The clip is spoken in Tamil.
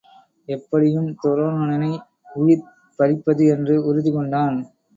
எப்படியும் துரோணனை உயிர் பறிப்பது என்று உறுதிகொண்டான்.